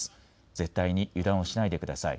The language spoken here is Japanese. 絶対に油断をしないでください。